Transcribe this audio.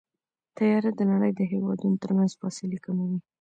طیاره د نړۍ د هېوادونو ترمنځ فاصلې کموي.